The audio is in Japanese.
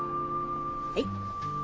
はい。